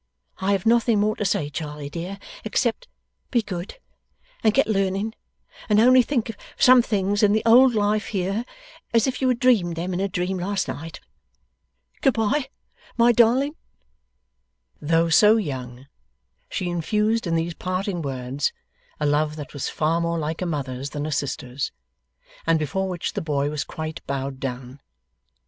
I have nothing more to say, Charley dear, except, be good, and get learning, and only think of some things in the old life here, as if you had dreamed them in a dream last night. Good bye, my Darling!' Though so young, she infused in these parting words a love that was far more like a mother's than a sister's, and before which the boy was quite bowed down.